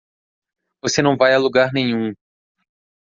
Você não vai a lugar nenhum.